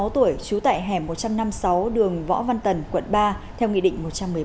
năm mươi sáu tuổi trú tại hẻm một trăm năm mươi sáu đường võ văn tần quận ba theo nghị định một trăm một mươi bảy